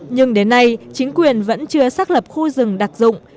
nhưng đến nay chính quyền vẫn chưa xác lập khu rừng đặc dụng